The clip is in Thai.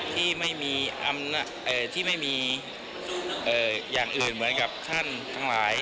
ที่ไม่มีที่ไม่มีอย่างอื่นเหมือนกับท่านทั้งหลาย